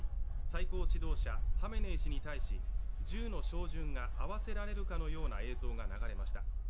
最高指導者ハメネイ師に対し銃の照準が合わせられるかのような映像が流れました。